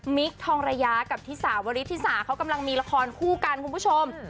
คทองระยากับที่สาวริธิสาเขากำลังมีละครคู่กันคุณผู้ชม